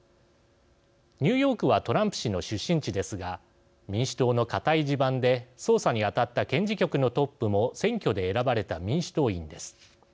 ニューヨークはトランプ氏の出身地ですが民主党の固い地盤で捜査に当たった検事局のトップも選挙で選ばれた民主党員です。